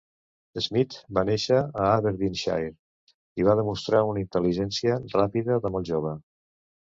Smith va néixer a Aberdeenshire i va demostrar una intel·ligència ràpida de molt jove.